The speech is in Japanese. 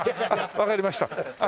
わかりました。